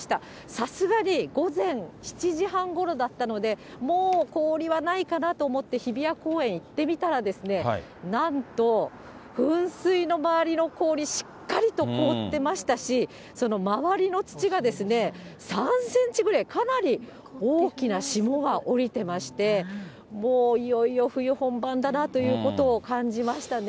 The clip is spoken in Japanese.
さすがに午前７時半ごろだったので、もう氷はないかなと思って、日比谷公園、行ってみたらですね、なんと、噴水の周りの氷、しっかりと凍ってましたし、その周りの土が３センチぐらい、かなり大きな霜が降りてまして、もういよいよ冬本番だなということを感じましたね。